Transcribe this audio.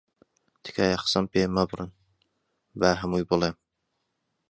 تکایە قسەم پێ مەبڕن، با هەمووی بڵێم.